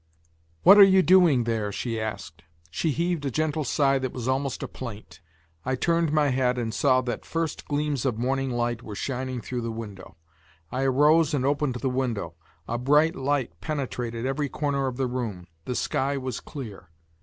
"What are you doing there?" she asked. She heaved a gentle sigh that was almost a plaint. I turned my head and saw that first gleams of morning light were shining through the window. I arose and opened the window; a bright light penetrated every corner of the room. The sky was clear.